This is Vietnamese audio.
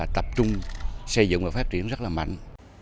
tập trung xây dựng và phát triển rất là mạnh